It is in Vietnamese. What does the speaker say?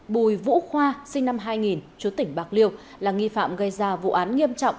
bùi vũ khoa sinh năm hai nghìn chú tỉnh bạc liêu là nghi phạm gây ra vụ án nghiêm trọng